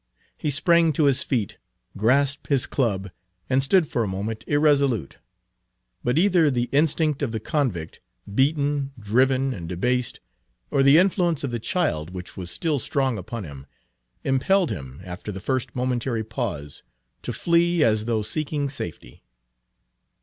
He sprang to his feet, grasped his club, and stood for a moment irresolute. But either the instinct of the convict, beaten, driven, and debased, or the influence of the child, which was still strong upon him, impelled him, after the first momentary pause, to flee as though seeking safety.